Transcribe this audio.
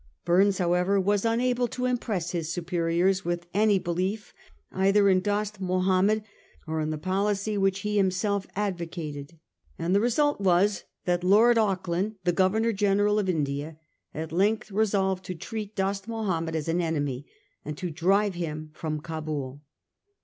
Burnes, however, was unable to impress his superiors with any belief, either in Dost Mahomed or in the policy which he himself advo cated, and the result was that Lord Auckland, the Governor General of India, at length resolved to treat Dost Mahomed as an enemy, and to drive him from Cabul.